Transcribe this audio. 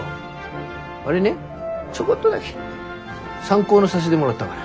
あれねちょこっとだけ参考にさしでもらったがや。